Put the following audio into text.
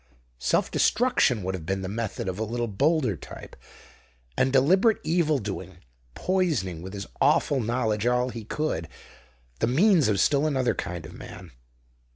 Self destruction would have been the method of a little bolder type; and deliberate evil doing, poisoning with his awful knowledge all he could, the means of still another kind of man.